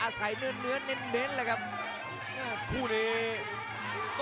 แชลเบียนชาวเล็ก